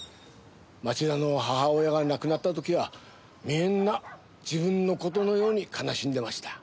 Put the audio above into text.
町田の母親が亡くなった時はみんな自分の事のように悲しんでました。